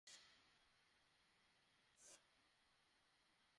এখন নিকুঞ্জ ভবনের বিষয়ে সদস্যদের মতামত জানতে মতবিনিময়ের আয়োজন করা হয়েছে।